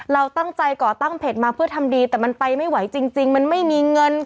เราตั้งใจก่อตั้งเพจมาเพื่อทำดีแต่มันไปไม่ไหวจริงมันไม่มีเงิน